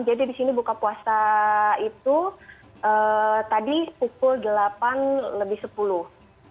jadi di sini buka puasa itu tadi pukul delapan lebih sepuluh